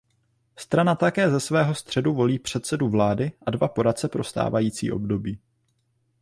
Strana také ze svého středu volí předsedu vlády a dva poradce pro stávající období.